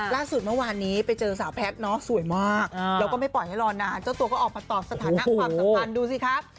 ล่าสุดเมื่อวานนี้ไปเจอสาวแพทย์เนาะสวยมากแล้วก็ไม่ปล่อยให้รอนานเจ้าตัวก็ออกมาตอบสถานะความสัมพันธ์ดูสิคะ